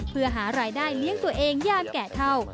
เพื่อหารายได้เลี้ยงตัวเองย่ามแก่เท่า